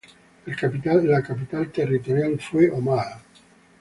El capital territorial fue Omaha.